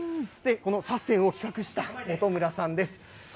このサッセンを企画した本村さんです。